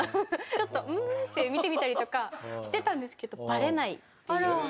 ちょっとうーんって見てみたりとかしてたんですけどバレないっていう。